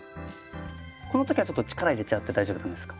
この時はちょっと力入れちゃって大丈夫なんですか？